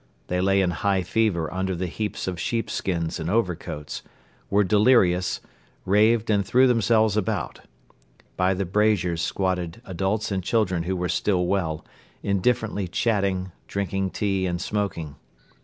They lay in high fever under the heaps of sheepskins and overcoats, were delirious, raved and threw themselves about. By the braziers squatted adults and children who were still well, indifferently chatting, drinking tea and smoking.